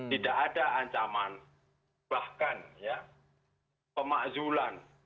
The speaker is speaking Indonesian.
tidak ada ancaman bahkan ya pemakzulan